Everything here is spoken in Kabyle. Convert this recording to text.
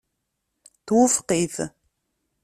Twufeq-it.